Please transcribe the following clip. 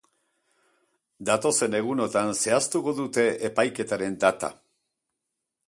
Datozen egunotan zehaztuko dute epaiketaren data.